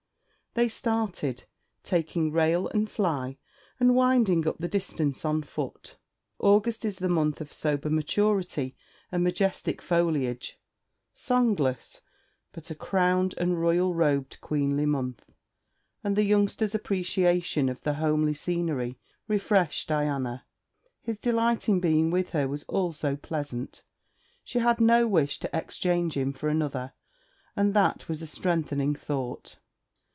They started, taking rail and fly, and winding up the distance on foot. August is the month of sober maturity and majestic foliage, songless, but a crowned and royal robed queenly month; and the youngster's appreciation of the homely scenery refreshed Diana; his delight in being with her was also pleasant. She had no wish to exchange him for another; and that was a strengthening thought.